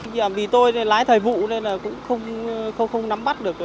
vì tôi lái thời vụ nên là cũng không nắm bắt được